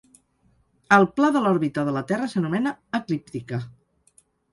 El pla de l'òrbita de la Terra s'anomena eclíptica.